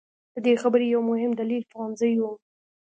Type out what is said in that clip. د دې خبرې یو مهم دلیل پوهنځي وو.